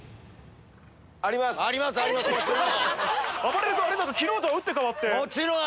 あばれる君昨日とは打って変わって。